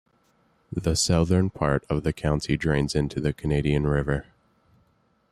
The southern part of the county drains into the Canadian River.